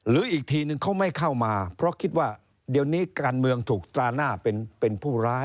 อีกทีนึงเขาไม่เข้ามาเพราะคิดว่าเดี๋ยวนี้การเมืองถูกตราหน้าเป็นผู้ร้าย